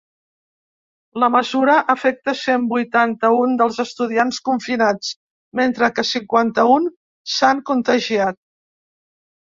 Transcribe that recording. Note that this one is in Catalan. La mesura afecta cent vuitanta-un dels estudiants confinats, mentre que cinquanta-un s’han contagiat.